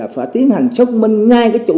phải tiến hành xúc minh ngay chủ sở hữu đó